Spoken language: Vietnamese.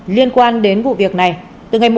liên quan đến vụ việc này từ ngày một mươi một tháng bảy